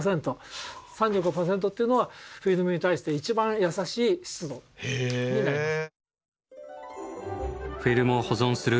３５％っていうのはフィルムに対して一番優しい湿度になります。